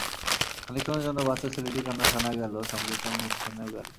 খানিকক্ষণের জন্যে বাচ্চা ছেলেটির কান্না শোনা গেল, সঙ্গেসঙ্গে থেমেও গেল।